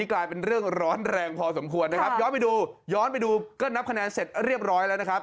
ข้าร่วมแรงพอสมควรย้อนไปดูก็นับคะแนนเสร็จเรียบร้อยแล้วนะครับ